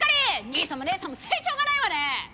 兄さんも姉さんも成長がないわね！